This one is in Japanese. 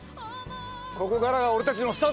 ここからが俺たちのスタートだ！